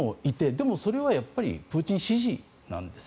でもそれはやっぱりプーチン支持なんです。